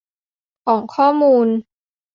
ของข้อมูล